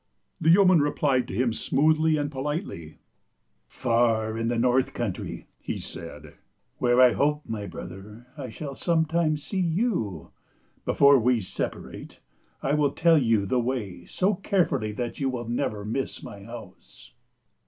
The yeoman replied to him smoothly and politely. " Far in the north country," he said, " where I hope, my brother, I shall some time see you. Before we sep arate, I will tell you the way so carefully that you will never miss my house."